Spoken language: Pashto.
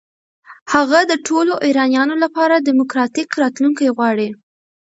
هغه د ټولو ایرانیانو لپاره دموکراتیک راتلونکی غواړي.